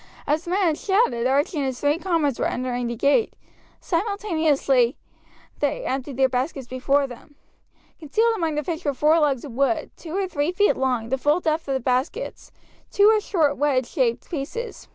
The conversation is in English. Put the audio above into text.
As the man had shouted, Archie and his three comrades were entering the gate. Simultaneously they emptied their baskets before them. Concealed among the fish were four logs of wood; two were three feet long, the full depth of the baskets, two were short wedge shaped pieces.